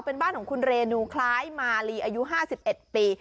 เป็นบ้านของคุณเรนูคล้ายมาลีอายุ๕๑ปี